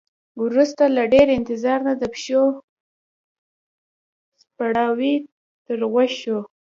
وروسته له ډیر انتظار نه د پښو څپړاوی تر غوږ شو.